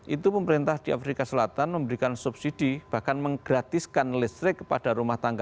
itu pemerintah di afrika selatan memberikan subsidi bahkan menggratiskan listrik kepada rumah tangga